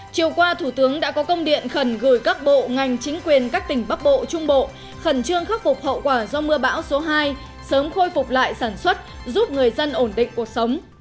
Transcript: chiều qua thủ tướng đã có công điện khẩn gửi các bộ ngành chính quyền các tỉnh bắc bộ trung bộ khẩn trương khắc phục hậu quả do mưa bão số hai sớm khôi phục lại sản xuất giúp người dân ổn định cuộc sống